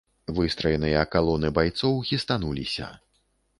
Выстраеныя калоны байцоў хістануліся.